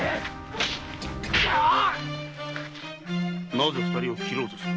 なぜ二人を斬ろうとする？